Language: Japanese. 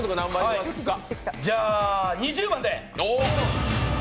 じゃあ２０番で。